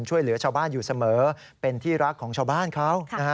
ช่วยเหลือชาวบ้านอยู่เสมอเป็นที่รักของชาวบ้านเขา